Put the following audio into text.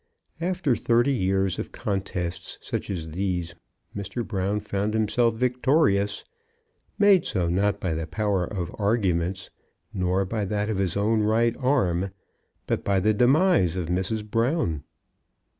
After thirty years of contests such as these Mr. Brown found himself victorious, made so not by the power of arguments, nor by that of his own right arm, but by the demise of Mrs. Brown.